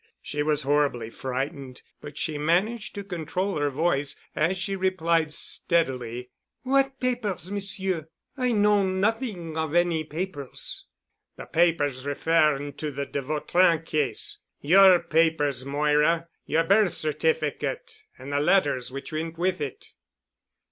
She was horribly frightened, but she managed to control her voice as she replied steadily. "What papers, Monsieur? I know nothing of any papers." "The papers referring to the de Vautrin case. Your papers, Moira, yer birth certificate and the letters which went with it."